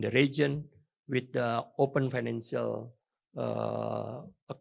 memahami bahwa beberapa negara di negara ini